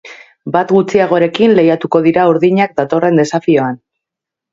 Bat gutxiagorekin lehiatuko dira urdinak datorren desafioan.